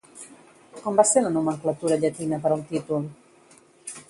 Com va ser la nomenclatura llatina per al títol?